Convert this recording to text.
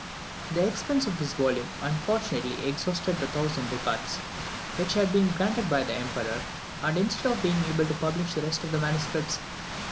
_" The expenses of this volume unfortunately exhausted the 1000 ducats which had been granted by the Emperor, and, instead of being able to publish the rest of the MSS.